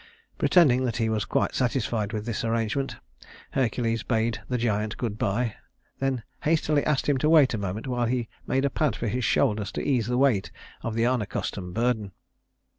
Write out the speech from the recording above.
Pretending that he was quite satisfied with this arrangement, Hercules bade the giant good by; then hastily asked him to wait a moment while he made a pad for his shoulders to ease the weight of the unaccustomed burden.